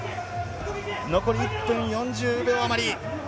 残り１分４０秒あまり。